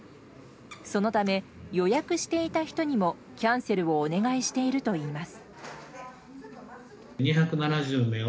そのため予約していた人にもキャンセルをお願いしているといいます。